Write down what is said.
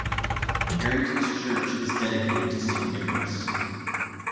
Arrington's church is dedicated to Saint Nicholas.